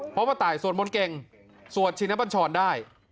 เพราะว่าตายสวดมนต์เก่งสวดชินบัญชรได้